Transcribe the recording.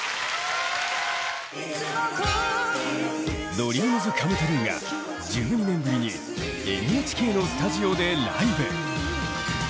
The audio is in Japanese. ＤＲＥＡＭＳＣＯＭＥＴＲＵＥが１２年ぶりにＮＨＫのスタジオでライブ！